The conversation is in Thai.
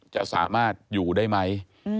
จะสามารถอยู่ได้ไหม